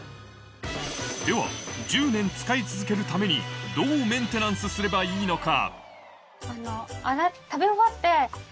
では１０年使い続けるためにどうメンテナンスすればいいのか？